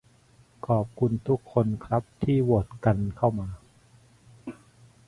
ขอบคุณทุกคนครับ ที่โหวตก้นเข้ามา